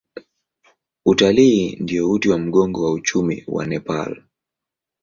Utalii ndio uti wa mgongo wa uchumi wa Nepal.